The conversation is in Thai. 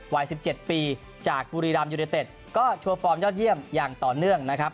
วัย๑๗ปีจากบุรีรัมยูเนเต็ดก็โชว์ฟอร์มยอดเยี่ยมอย่างต่อเนื่องนะครับ